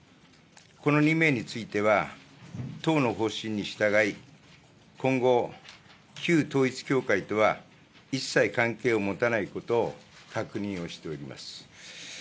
この２名については、党の方針に従い、今後、旧統一教会とは一切関係を持たないことを確認をしております。